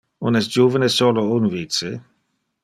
On es juvene solo un vice.